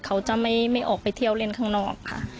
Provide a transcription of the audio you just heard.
เขาจะไม่ออกไปเที่ยวเล่นข้างนอกค่ะ